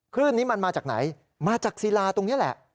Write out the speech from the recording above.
คลื่นนี้มันมาจากไหนมาจากศิลาตรงนี้แหละ